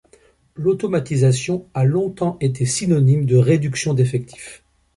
L’automatisation a longtemps été synonyme de réduction d’effectifs.